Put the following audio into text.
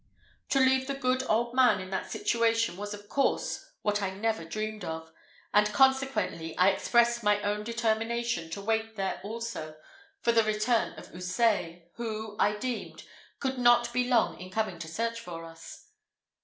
To leave the good old man in that situation was of course what I never dreamed of; and, consequently, I expressed my own determination to wait there also for the return of Houssaye, who, I deemed, could not be long in coming to search for us.